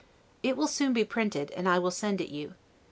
It will soon be printed, and I will send it you.